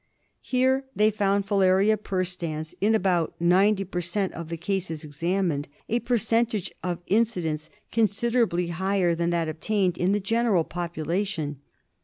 Here they found Filaria perstans in about ninety per cent, of the cases examined, a percentage of incidence considerably higher than that obtained in the general population.